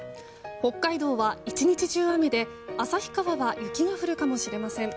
北海道は１日中雨で旭川が雪が降るかもしれません。